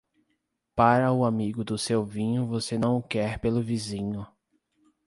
Para o amigo do seu vinho você não o quer pelo vizinho.